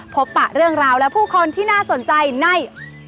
ปะเรื่องราวและผู้คนที่น่าสนใจใน